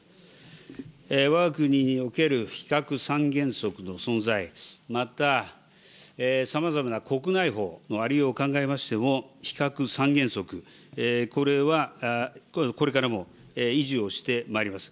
わが国における非核三原則の存在、またさまざまな国内法のありようを考えましても、非核三原則、これはこれからも維持をしてまいります。